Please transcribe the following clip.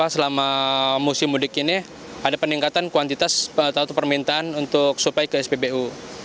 selama musim mudik ini ada peningkatan kuantitas atau permintaan untuk supaya ke spbu